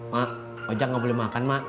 mak ojak gak boleh makan mak